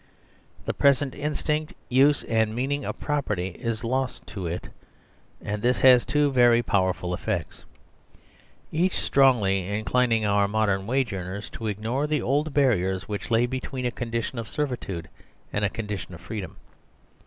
The present instinct.use, and meaning of property is lost to it : and this has had two very powerful effects, each strongly inclining our modern wage earners to ignore the old barriers which lay between a condition of servitude and a con dition of freedom.